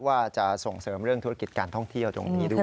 ว่าจะส่งเสริมเรื่องธุรกิจการท่องเที่ยวตรงนี้ด้วย